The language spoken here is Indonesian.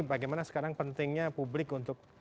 bagaimana sekarang pentingnya publik untuk